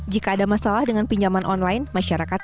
jika ada masalah dengan pinjaman online masyarakat